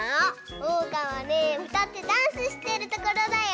おうかはねうたってダンスしてるところだよ。